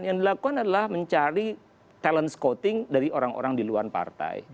yang dilakukan adalah mencari talent scouting dari orang orang di luar partai